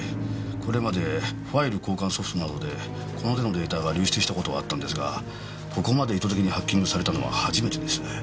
これまでファイル交換ソフトなどでこの手のデータが流出した事はあったんですがここまで意図的にハッキングされたのは初めてです。